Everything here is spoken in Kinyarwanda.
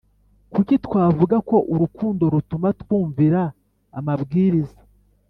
Kuki twavuga ko urukundo rutuma twumvira amabwiriza